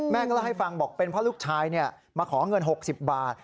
เล่าให้ฟังบอกเป็นเพราะลูกชายมาขอเงิน๖๐บาท